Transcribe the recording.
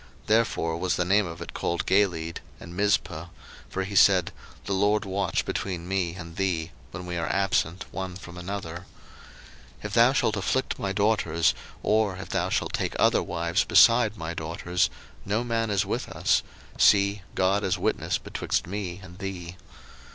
Therefore was the name of it called Galeed; 01:031:049 And Mizpah; for he said, The LORD watch between me and thee, when we are absent one from another. 01:031:050 If thou shalt afflict my daughters, or if thou shalt take other wives beside my daughters, no man is with us; see, God is witness betwixt me and thee.